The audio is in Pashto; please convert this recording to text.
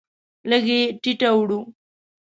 لږ یې ټیټه وړوه.